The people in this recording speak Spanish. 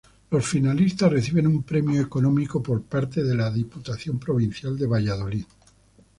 Los finalistas reciben un premio económico por parte de la Diputación Provincial de Valladolid.